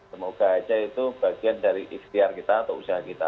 semoga aja itu bagian dari ikhtiar kita atau usaha kita